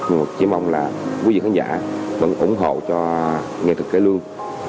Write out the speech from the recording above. mình chỉ mong là quý vị khán giả vẫn ủng hộ cho nghệ thực kệ lương